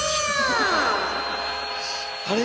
あれ？